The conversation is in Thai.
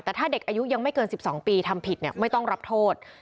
แต่ถ้าเด็กอายุยังไม่เกิน๑๒ปีทำผิดไม่ต้องรับโทษ